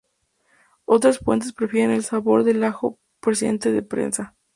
Otras fuentes prefieren el sabor del ajo procedente de prensa.